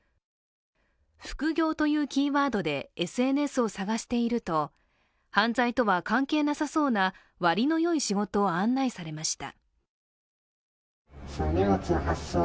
副業というキーワードでＳＮＳを探していると、犯罪とは関係なさそうな割のよい仕事を案内されました。